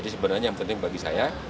ini sebenarnya yang penting bagi saya